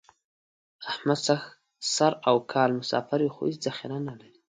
احمد سر او کال مسافر وي، خو هېڅ ذخیره نه لري.